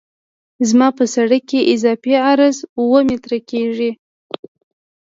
زما په سرک کې اضافي عرض اوه متره کیږي